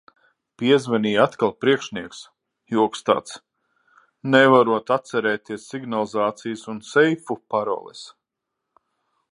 Piezvanīja atkal priekšnieks, joks tāds. Nevarot atcerēties signalizācijas un seifu paroles.